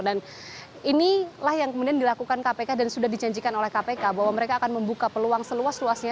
dan inilah yang kemudian dilakukan kpk dan sudah dijanjikan oleh kpk bahwa mereka akan membuka peluang seluas luasnya